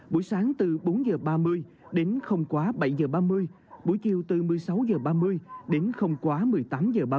buổi sáng từ bốn h ba mươi đến không quá bảy h ba mươi buổi chiều từ một mươi sáu h ba mươi đến không quá một mươi tám h ba mươi